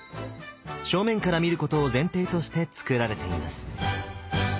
正面から見ることを前提としてつくられています。